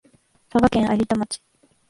佐賀県有田町